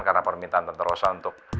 karena permintaan tenterosa untuk